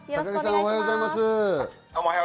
おはようございます。